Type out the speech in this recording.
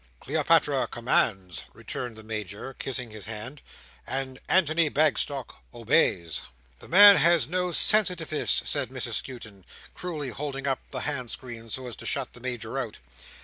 "Cleopatra commands," returned the Major, kissing his hand, "and Antony Bagstock obeys." "The man has no sensitiveness," said Mrs Skewton, cruelly holding up the hand screen so as to shut the Major out.